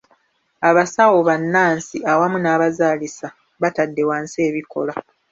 Abasawo ba nnansi awamu n'abazaalisa batadde wansi ebikola.